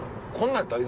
こんなん？